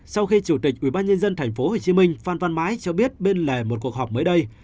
sau khi chủ tịch ubnd tp hcm phan văn mãi cho biết bên lề một cuộc họp mới đây